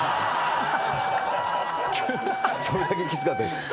それだけきつかったです。